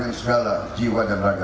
yang akan datang